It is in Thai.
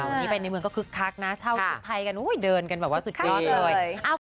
วันนี้ไปในเมืองก็คึกคักนะเช่าชุดไทยกันเดินกันแบบว่าสุดยอดเลย